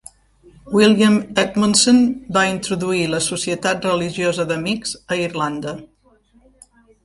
William Edmundson va introduir la Societat Religiosa d'Amics a Irlanda.